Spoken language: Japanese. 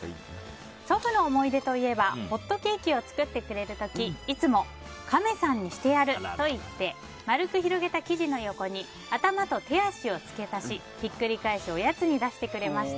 祖父の思い出といえばホットケーキを作ってくれる時いつもカメさんにしてやると言い丸く広げた生地の横に頭と手足をつけたしひっくり返しておやつに出してくれました。